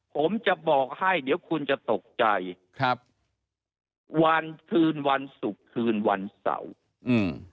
ผมจะบอกให้เดี๋ยวคุณจะตกใจครับวันคืนวันศุกร์คืนวันเสาร์อืม